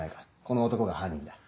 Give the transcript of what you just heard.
この男が犯人だ。